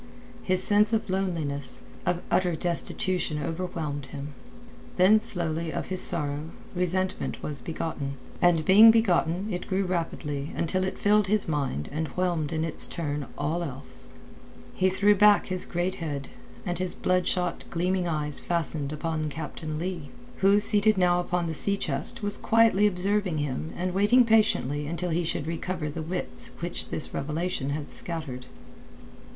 His sense of loneliness, of utter destitution overwhelmed him. Then slowly of his sorrow resentment was begotten, and being begotten it grew rapidly until it filled his mind and whelmed in its turn all else. He threw back his great head, and his bloodshot, gleaming eyes fastened upon Captain Leigh, who seated now upon the sea chest was quietly observing him and waiting patiently until he should recover the wits which this revelation had scattered.